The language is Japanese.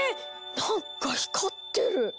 なんか光ってる！